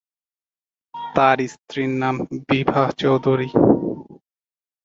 তার স্ত্রীর নাম বিভা চৌধুরী।